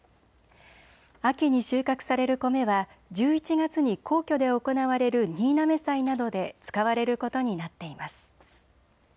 秋に収穫される米は１１月に皇居で行われる新嘗祭などで使われることになっています。